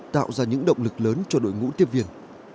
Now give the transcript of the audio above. tạo ra những động lực lớn cho đội ngũ tiếp viên